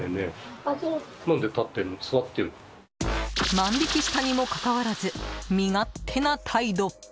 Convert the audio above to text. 万引きしたにもかかわらず身勝手な態度。